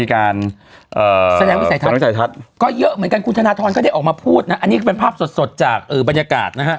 ก็เยอะเหมือนกันคุณธนาทรอนพูดนะอันนี้เป็นภาพสดจากบรรยากาศ